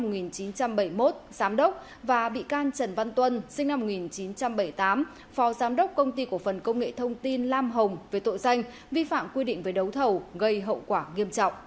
trong năm một nghìn chín trăm bảy mươi một giám đốc và bị can trần văn tuân sinh năm một nghìn chín trăm bảy mươi tám phó giám đốc công ty cổ phần công nghệ thông tin lam hồng về tội danh vi phạm quy định về đấu thầu gây hậu quả nghiêm trọng